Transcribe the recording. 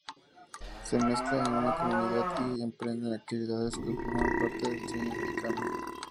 Se mezclan en una comunidad y emprenden actividades que forman parte del sueño americano.